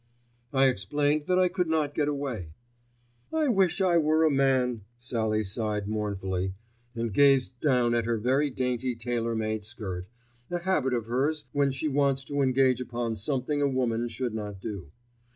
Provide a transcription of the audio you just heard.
I explained that I could not get away. "I wish I were a man," Sallie sighed mournfully, and gazed down at her very dainty tailor made skirt, a habit of hers when she wants to engage upon something a woman should not do.